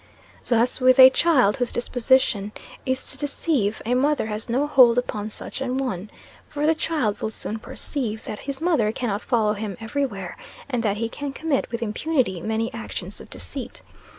Thus, with a child whose disposition is to deceive, a mother has no hold upon such an one; for the child will soon perceive that his mother cannot follow him every where, and that he can commit with impunity many actions of deceit.